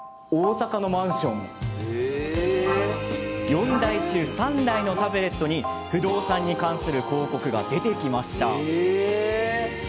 ４台中３台のタブレットに不動産に関する広告が出てきました。